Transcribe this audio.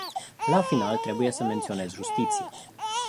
La final, trebuie să menționez justiția.